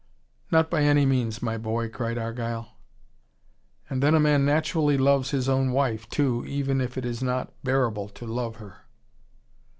"Not by any means, my boy," cried Argyle. "And then a man naturally loves his own wife, too, even if it is not bearable to love her."